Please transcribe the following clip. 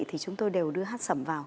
thì chúng tôi đều đưa hát sầm vào